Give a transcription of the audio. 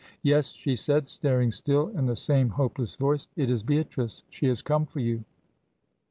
"Yes," she said, staring still, in the same hopeless voice. "It is Beatrice. She has come for you."